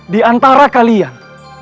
di antara kalian